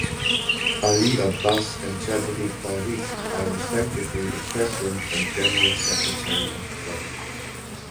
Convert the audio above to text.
Ali Abbas and Chowdhury Farid are respectively the President and General Secretary of club.